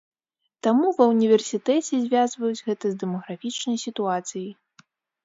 Таму ва ўніверсітэце звязваюць гэта з дэмаграфічнай сітуацыяй.